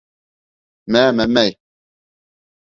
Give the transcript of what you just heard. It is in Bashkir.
— Мә мәмәй.